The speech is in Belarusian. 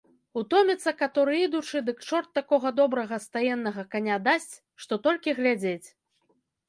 Утоміцца каторы ідучы, дык чорт такога добрага стаеннага каня дасць, што толькі глядзець.